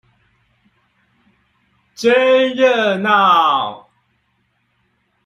真熱鬧